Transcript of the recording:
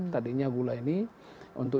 tadinya gula ini untuk